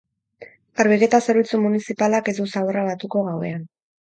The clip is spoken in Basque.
Garbiketa zerbitzu munizipalak ez du zaborra batuko gauean.